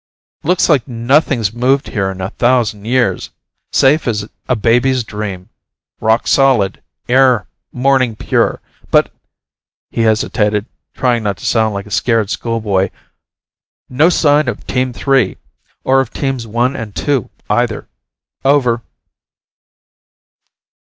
"Looks like nothing's moved here in a thousand years. Safe as a baby's dream. Rock solid, air morning pure. But " He hesitated, trying not to sound like a scared school boy. "No sign of Team Three. Or of Teams One and Two, either. Over."